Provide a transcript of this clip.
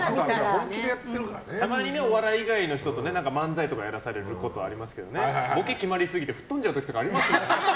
たまにお笑い以外の人と漫才とかやらされることありますけどボケ決まりすぎて吹っ飛んじゃう時とかありますからね。